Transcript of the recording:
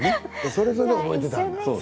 それぞれ覚えていたんだ。